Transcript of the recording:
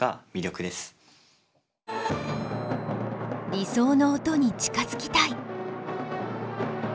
理想の音に近づきたい。